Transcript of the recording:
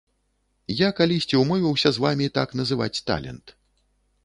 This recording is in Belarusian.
Я калісьці ўмовіўся з вамі так называць талент.